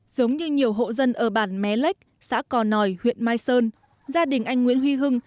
giống như nhiều hộ dân ở bản mé lách xã cò nòi huyện mai sơn gia đình anh nguyễn huy hưng